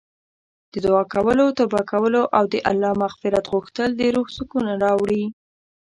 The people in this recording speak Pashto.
د دعا کولو، توبه کولو او د الله مغفرت غوښتل د روح سکون راوړي.